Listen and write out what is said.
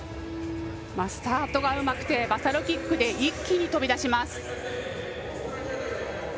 スタートがうまくてバサロキックで一気に飛び出します。